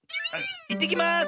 「いってきます！」